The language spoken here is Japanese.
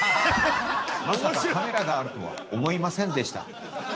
まさかカメラがあるとは思いませんでした。